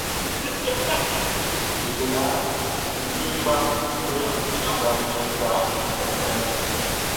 Like ngʼɔ ti kinndjin kpaʼn yɛle baʼm be lika nianlɛʼn.